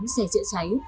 bốn xe chữa cháy